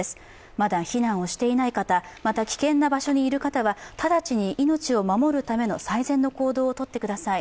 まだ避難をしていない方、また危険な場所にいる方は直ちに命を守るための最善の行動をとってください。